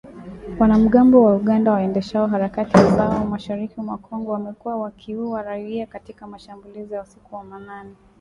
Wanamgambo wa Uganda waendeshao harakati zao mashariki mwa Kongo, wamekuwa wakiua raia katika mashambulizi ya usiku wa manane.